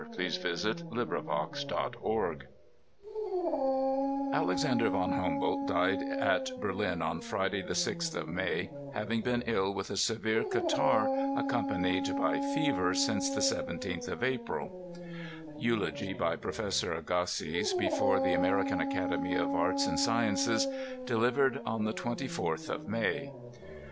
ŌĆö Aleocander von Humboldt Alexander von Humboldt died at Berlin on Friday the jrixth of May, having been ill with a severe catarrh accompanied . by fever since the 17th of April. Eulogy by Prof. Agassiz, before the American Academy of Aria ana Sciences, delivered on the 24th of May.